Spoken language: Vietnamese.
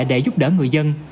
để giúp đỡ người dân